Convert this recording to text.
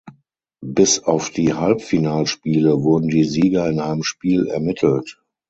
Bis auf die Halbfinalspiele wurden die Sieger in einem Spiel ermittelt.